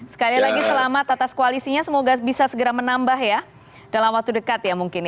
sekali lagi selamat atas koalisinya semoga bisa segera menambah ya dalam waktu dekat ya mungkin ya